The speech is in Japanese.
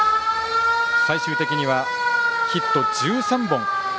最終的にはヒット１３本。